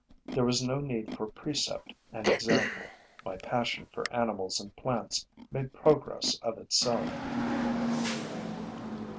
There was no need for precept and example: my passion for animals and plants made progress of itself.